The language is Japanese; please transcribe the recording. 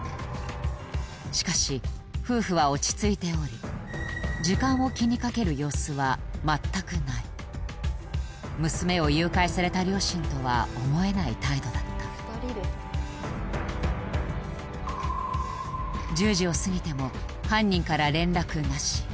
しかし夫婦は落ち着いており時間を気にかける様子は全くない娘を誘拐された両親とは思えない態度だった１０時を過ぎても犯人から連絡なし